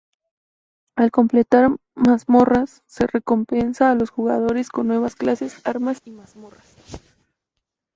Al completar mazmorras, se recompensa a los jugadores con nuevas clases, armas y mazmorras.